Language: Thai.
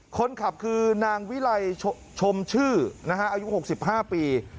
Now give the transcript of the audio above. คนขับคือนางวิลัยชมชื่อนะฮะอายุหกสิบห้าปี